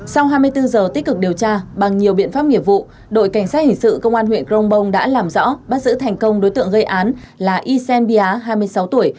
sau hai mươi bốn giờ tích cực điều tra bằng nhiều biện pháp nghiệp vụ đội cảnh sát hình sự công an huyện crong bông đã làm rõ bắt giữ thành công đối tượng gây án là isen bia hai mươi sáu tuổi